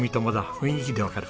雰囲気でわかる。